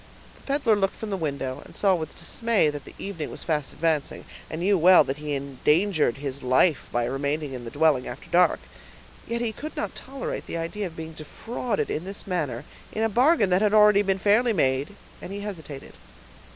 The peddler looked from the window, and saw with dismay that the evening was fast advancing, and knew well that he endangered his life by remaining in the dwelling after dark; yet he could not tolerate the idea of being defrauded in this manner, in a bargain that had already been fairly made; he hesitated.